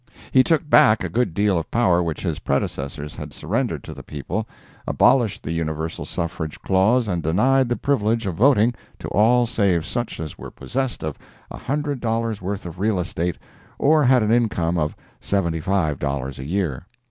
He took back a good deal of power which his predecessors had surrendered to the people, abolished the universal suffrage clause and denied the privilege of voting to all save such as were possessed of a hundred dollars worth of real estate or had an income of seventy five dollars a year.